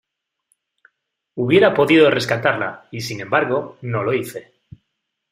hubiera podido rescatarla, y , sin embargo , no lo hice.